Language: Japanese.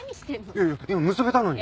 いやいや今結べたのに！